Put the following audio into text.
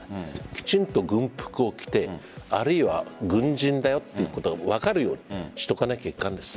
きちんと軍服を着てあるいは軍人だよということが分かるようにしておかなければいかんです。